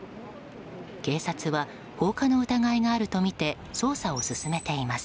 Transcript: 警察は放火の疑いがあるとみて捜査を進めています。